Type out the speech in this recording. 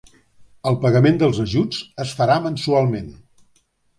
El pagament dels ajuts es farà mensualment.